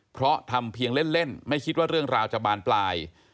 เพราะทำเพียงเล่นไม่คิดว่าเรื่องราวจะบานปลาย